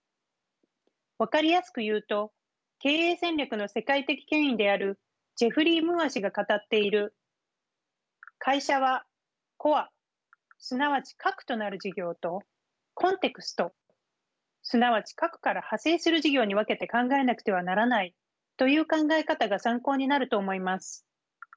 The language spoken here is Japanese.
分かりやすく言うと経営戦略の世界的権威であるジェフリー・ムーア氏が語っている「会社はコアすなわち核となる事業とコンテクストすなわち核から派生する事業に分けて考えなくてはならない」という考え方が参考になると思います。